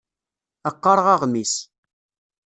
Ad qqareɣ aɣmis.